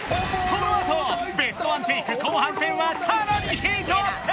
このあとベストワンテイク後半戦はさらにヒートアップ！